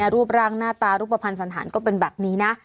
รูปร่างหน้าตารูปภัณฑ์สันธารก็เป็นแบบนี้นะ